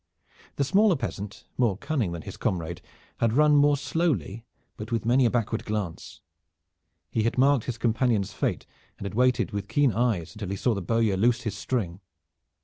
The smaller peasant, more cunning, than his comrade, had run more slowly, but with many a backward glance. He had marked his companion's fate and had waited with keen eyes until he saw the bowyer loose his string.